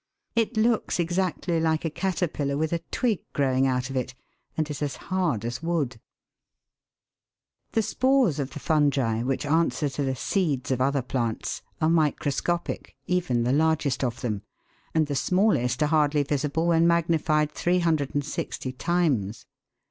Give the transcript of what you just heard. It looks exactly like a caterpillar with a twig growing out of it, and is as hard as wood. 176 THE WORLD'S LUMBER ROOM. The spores of the fungi, which answer to the seeds of other plants, are microscopic, even the largest of them, and the smallest are hardly visible when magnified 360 times.